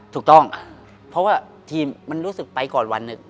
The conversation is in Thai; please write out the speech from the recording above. ถูกต้องเพราะว่าทีมมันรู้สึกไปก่อนวันหนึ่ง